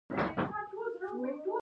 غرونه د زلزلو پیداوار دي.